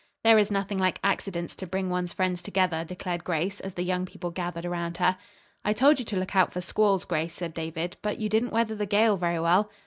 "There is nothing like accidents to bring one's friends together," declared Grace, as the young people gathered around her. "I told you to look out for squalls, Grace," said David. "But you didn't weather the gale very well."